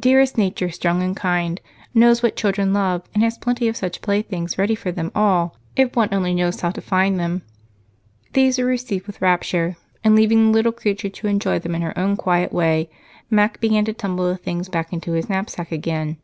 "Dearest Nature, strong and kind" knows what children love, and has plenty of such playthings ready for them all, if one only knows how to find them. These were received with rapture. And leaving the little creature to enjoy them in her own quiet way, Mac began to tumble the things back into his knapsack again.